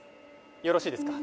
よろしいですか？